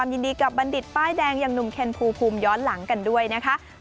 อย่างหนุ่มเคนพูพูมย้อนหลังกันด้วยนะคะ